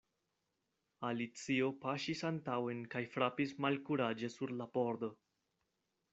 Alicio paŝis antaŭen kaj frapis malkuraĝe sur la pordo.